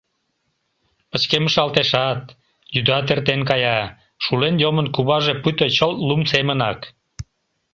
Пычкемышалтешат, йӱдат эртен кая — шулен йомын куваже пуйто чылт лум семынак.